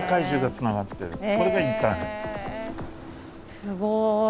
すごい！